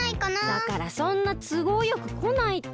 だからそんなつごうよくこないって。